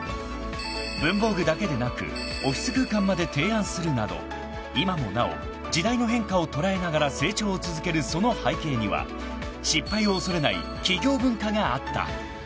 ［文房具だけでなくオフィス空間まで提案するなど今もなお時代の変化を捉えながら成長を続けるその背景には失敗を恐れない企業文化があった］